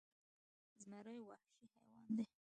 زمری وخشي حیوان دې